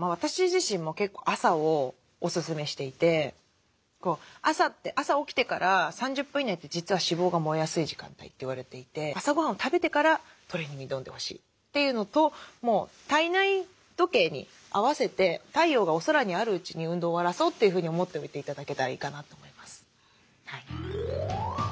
私自身も結構朝をおすすめしていて朝って朝起きてから３０分以内って実は脂肪が燃えやすい時間帯って言われていて朝ごはんを食べてからトレーニングに挑んでほしいっていうのと体内時計に合わせて太陽がお空にあるうちに運動を終わらそうというふうに思っといて頂けたらいいかなと思います。